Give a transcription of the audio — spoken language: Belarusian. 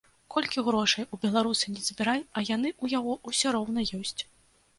Колькі грошай у беларуса не забірай, а яны ў яго ўсё роўна ёсць.